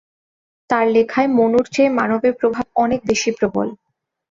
তার লেখায় মনুর চেয়ে মানবের প্রভাব অনেক বেশি প্রবল।